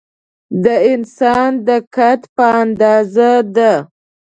د انسان د قد په اندازه ده.